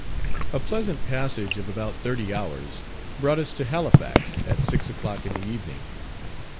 A pleasant passage of about thirty hours, brought us to Halifax, at six o'clock in the evening.